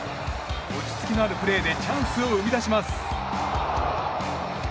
落ち着きのあるプレーでチャンスを生み出します。